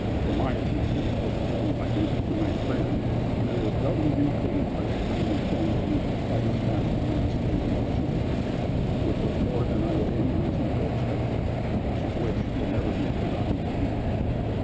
For my attention (which was only my duty) to my friend, I was doubly repaid by the kindness shown to me by his family while I staid in Washington, which was more than I had any reason for expecting, and which will never be forgotten by me."